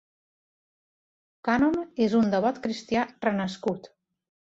Cannon és un devot cristià renascut.